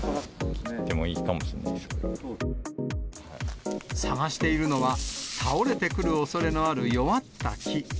切ってもいいかもしれないですけ探しているのは、倒れてくるおそれのある弱った木。